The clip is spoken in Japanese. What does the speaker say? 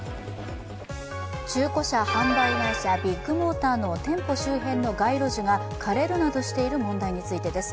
中古車販売会社、ビッグモーターの店舗周辺の街路樹が枯れるなどしている問題についてです。